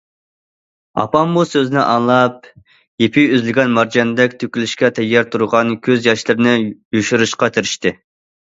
ئاپام بۇ سۆزنى ئاڭلاپ، يېپى ئۈزۈلگەن مارجاندەك تۆكۈلۈشكە تەييار تۇرغان كۆز ياشلىرىنى يوشۇرۇشقا تىرىشتى.